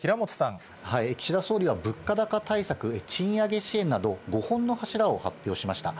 岸田総理は物価高対策、賃上げ支援など、５本の柱を発表しました。